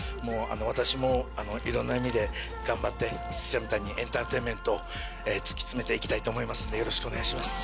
私もいろんな意味で頑張って五木さんみたいにエンターテインメントを突き詰めて行きたいと思いますんでよろしくお願いします。